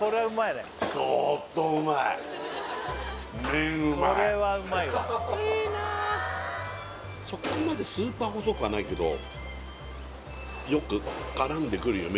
麺うまいそこまでスーパー細くはないけどよく絡んでくるよ